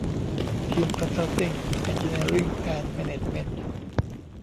ทีม คอนซัลติ้ง เอนจิเนียริ่ง แอนด์ แมเนจเมนท์